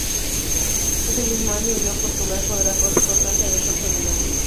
Ese mismo año huyó a Portugal por el acoso constante de las autoridades.